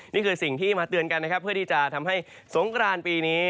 นี่คือสิ่งที่มาเตือนกันนะครับเพื่อที่จะทำให้สงกรานปีนี้